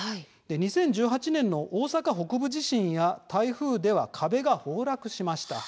２０１８年の大阪北部地震や台風では壁が崩落しました。